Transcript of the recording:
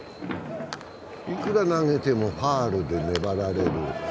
いくら投げてもファウルで粘られる。